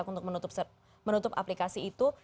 untuk menutup aplikasi itu